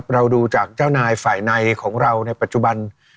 เราดูจากเจ้านายฝ่ายในของเราในปัจจุบัน